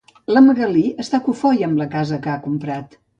La Magalí està cofoia amb la casa que ha comprat.